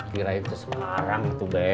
kirain ke sekarang atube